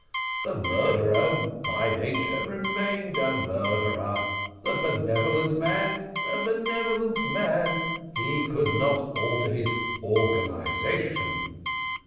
the murderer by nature remained a murderer the benevolent man, a benevolent man he could not alter his organisation.